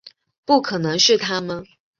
不可能是他们